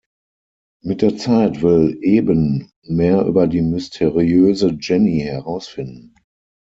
Mit der Zeit will Eben mehr über die mysteriöse Jennie herausfinden.